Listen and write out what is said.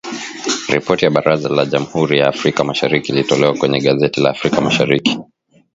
Ripoti ya Baraza la Jamhuri ya Afrika Mashariki ilitolewa kwenye gazeti la Afrika Mashariki.